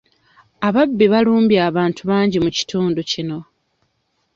Ababbi balumbye abantu bangi mu kitundu kino.